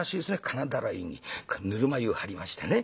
金だらいにぬるま湯張りましてね